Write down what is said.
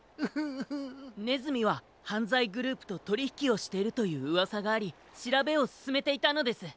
ねずみははんざいグループととりひきをしているといううわさがありしらべをすすめていたのです。